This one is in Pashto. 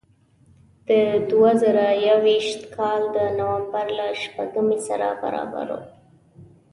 د دوه زره یو ویشت کال د نوامبر له شپږمې سره برابر و.